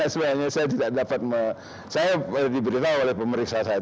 sebenarnya saya tidak dapat saya diberitahu oleh pemeriksa saya